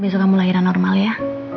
besok kamu lahiran normal ya